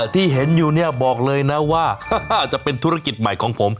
ที่เห็นอยู่เนี่ยบอกเลยนะว่าจะเป็นธุรกิจใหม่ของผม